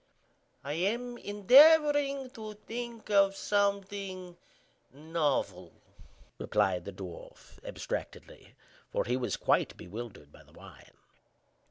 "I am endeavoring to think of something novel," replied the dwarf, abstractedly, for he was quite bewildered by the wine.